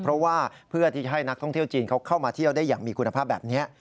เพราะว่าเพื่อที่จะให้นักท่องเที่ยวจีนเขาเข้ามาเที่ยวได้อย่างมีคุณภาพแบบนี้